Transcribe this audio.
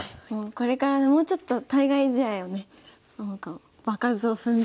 これからもうちょっと対外試合をね場数を踏んで。